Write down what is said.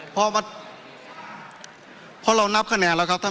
เพราะว่าพอเรานับคะแนนแล้วครับท่าน